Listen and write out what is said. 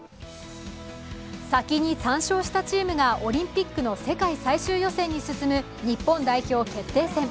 先に３勝したチームがオリンピックの世界最終予選に進む日本代表決定戦。